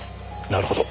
なるほど。